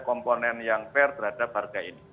komponen yang fair terhadap harga ini